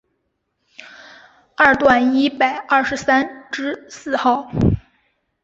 二段一百二十三之四号